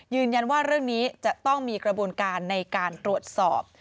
เรื่องนี้จะต้องมีกระบวนการในการตรวจสอบ